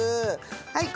はい。